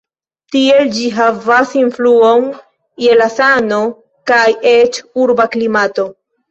Tiel ĝi havas influon je la sano kaj eĉ urba klimato.